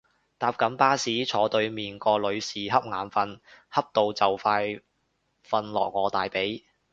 搭緊巴士，坐對面個女士恰眼瞓恰到就快瞓落我大髀